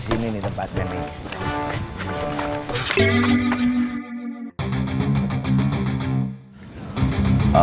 disini nih tempatnya nih